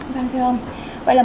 vâng thưa ông vậy là